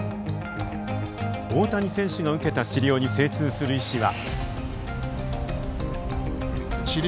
大谷選手の受けた治療に精通する医師は。